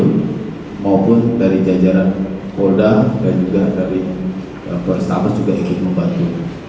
maupun dari jajaran polda dan juga dari polrestabes juga ikut membantu